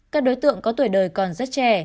các đối tượng có tuổi đời còn rất trẻ